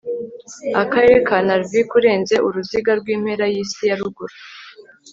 akarere ka narvik urenze uruziga rw impera y isi ya ruguru